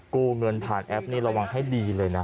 กู้เงินผ่านแอปนี่ระวังให้ดีเลยนะ